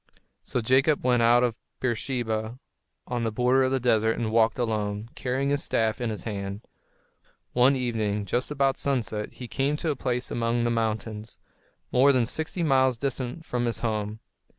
So Jacob went out of Beersheba, on the border of the desert, and walked alone, carrying his staff in his hand. One evening, just about sunset, he came to a place among the mountains, more than sixty miles distant from his home.